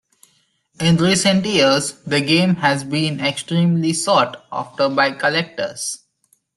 In recent years, the game has been extremely sought after by collectors.